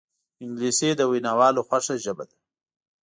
انګلیسي د ویناوالو خوښه ژبه ده